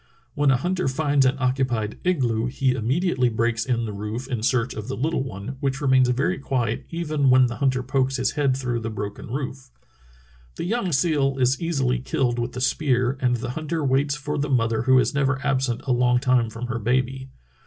When a hunter finds an occupied igloo he immediately breaks in the roof in search of the little one, which remains very quiet even when the hunter pokes his head through the broken roof. The young seal is easily killed with the spear, and the hunter waits for the mother who is never absent a long time from her baby.